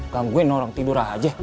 gangguin orang tidur aja